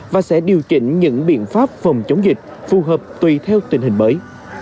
và sẽ điều chỉnh những biện pháp phòng chống dịch phù hợp tùy theo tình hình mới